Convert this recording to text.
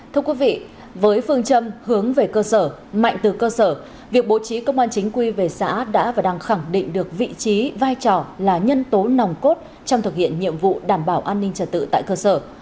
thưa quý vị với phương châm hướng về cơ sở mạnh từ cơ sở việc bố trí công an chính quy về xã đã và đang khẳng định được vị trí vai trò là nhân tố nòng cốt trong thực hiện nhiệm vụ đảm bảo an ninh trật tự tại cơ sở